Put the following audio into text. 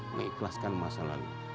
mengikhlaskan masa lalu